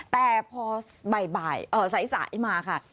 แต่พอใสมาค่ะ